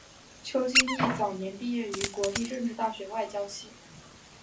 邱进益早年毕业于国立政治大学外交系。